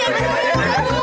dini mau main jantung